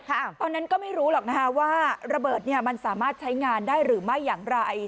ตอนนั้นก็ไม่รู้หรอกนะคะว่าระเบิดเนี่ยมันสามารถใช้งานได้หรือไม่อย่างไร